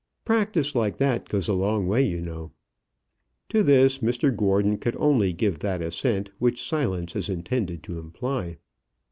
A practice like that goes a long way, you know." To this Mr Gordon could only give that assent which silence is intended to imply.